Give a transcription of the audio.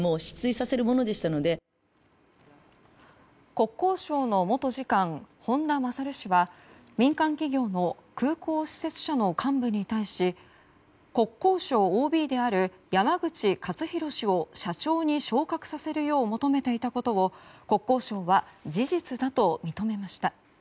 国交省の元次官本田勝氏は民間企業の空港施設社の幹部に対し国交省ＯＢである山口勝弘氏を社長に昇格させるよう求めていたことを国交省は事実だと認めました。